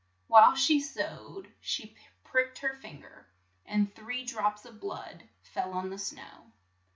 While she sewed she pricked her fin ger, and three drops of blood fell on the snow.